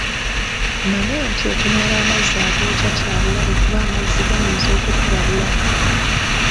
Manya nti okunaaba amazzi agookya kya bulabe kuba amazzi gayinza okukubabula.